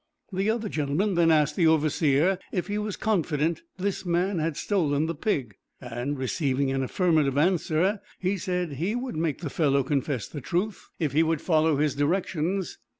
The other gentleman then asked the overseer if he was confident this man had stolen the pig; and, receiving an affirmative answer, he said he would make the fellow confess the truth, if he would follow his directions.